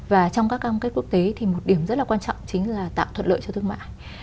và trong các cam kết quốc tế thì một điểm rất là quan trọng chính là tạo thuận lợi cho thương mại